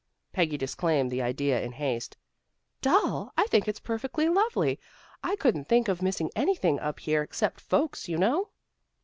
Peggy disclaimed the idea in haste. "Dull! I think it's perfectly lovely. I couldn't think of missing anything up here, except folks, you know."